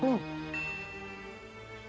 duduk duduk duduk